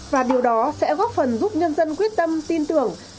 và điều đó sẽ góp phần giúp nhân dân quyết tâm tin tưởng